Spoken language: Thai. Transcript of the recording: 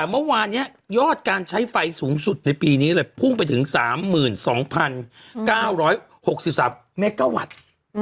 เมื่อวานนี้ยอดการใช้ไฟสูงสุดในปีนี้เลยพุ่งไปถึง๓๒๙๖๓เมกาวัตต์